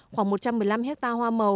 khoảng một trăm một mươi năm hecta hoa màu